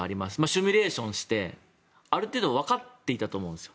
シミュレーションしてある程度わかっていたと思うんです。